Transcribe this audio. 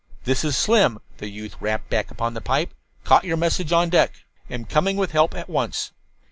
"This is Slim," the youth rapped back upon the pipe. "Caught your message on deck. Am coming with help at once."